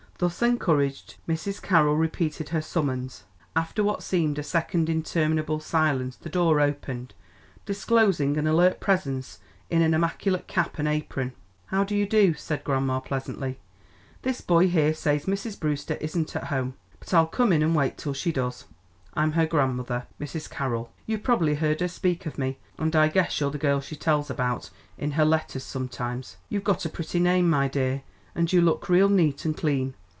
Thus encouraged Mrs. Carroll repeated her summons. After what seemed a second interminable silence the door opened, disclosing an alert presence in an immaculate cap and apron. "How do you do?" said grandma pleasantly. "This boy here says Mrs. Brewster isn't at home; but I'll come in and wait till she does. I'm her grandmother, Mrs. Carroll; you've probably heard her speak of me, and I guess you're the girl she tells about in her letters sometimes. You've got a pretty name, my dear, and you look real neat and clean.